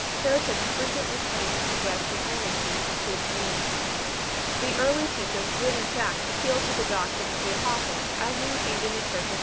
Heretics frequently claimed to possess the only key to its meaning. The early teachers did in fact appeal to the doctrine of 1 Miltiades in Euseb.